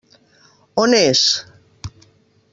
On és?